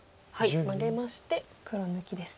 マゲまして黒抜きです。